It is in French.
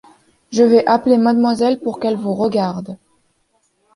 Je vais appeler mademoiselle pour qu’elle vous regarde.